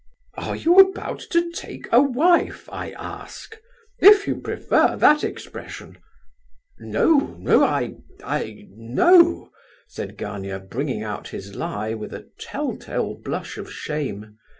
"Are you about to take a wife? I ask,—if you prefer that expression." "No, no I—I—no!" said Gania, bringing out his lie with a tell tale blush of shame.